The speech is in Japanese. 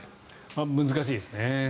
難しいですね。